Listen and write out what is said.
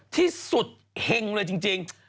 ที่สุดเห็งเลยจริง